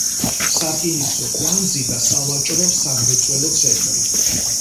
სარკინიგზო კვანძი და სავაჭრო-სამრეწველო ცენტრი.